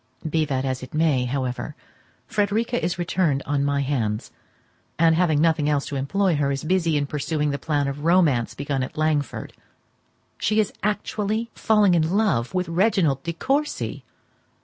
Be that as it may, however, Frederica is returned on my hands; and, having nothing else to employ her, is busy in pursuing the plan of romance begun at Langford. She is actually falling in love with Reginald De Courcy!